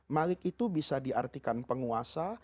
malik itu bisa diartikan penguasa